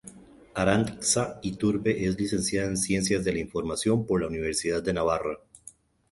Arantxa Iturbe es licenciada en Ciencias de la Información por la Universidad de Navarra.